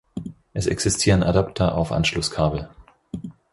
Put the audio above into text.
Es existieren Adapter auf Anschlusskabel.